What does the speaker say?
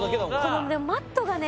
このでもマットがね